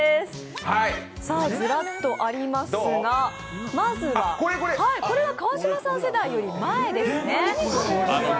ずらっとありますが、まず、これは川島さん世代より前ですね。